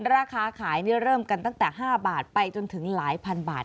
ราคาขายเริ่มกันตั้งแต่๕บาทไปจนถึงหลายพันบาท